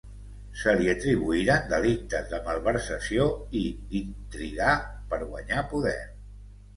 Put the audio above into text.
Se li atribuïren delictes de malversació i d'intrigar per guanyar poder.